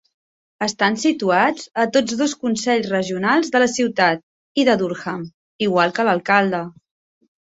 Estan situats a tots dos consells regionals de la ciutat i de Durham, igual que l'alcalde.